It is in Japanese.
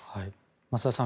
増田さん